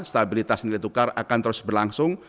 stabilitas nilai tukar akan terus berlangsung